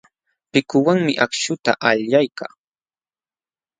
Pikuwanmi akśhuta allaykaa.